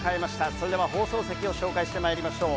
それでは放送席を紹介してまいりましょう。